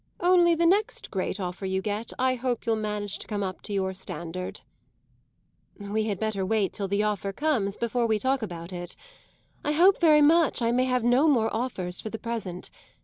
"Only, the next great offer you get, I hope you'll manage to come up to your standard." "We had better wait till the offer comes before we talk about it. I hope very much I may have no more offers for the present.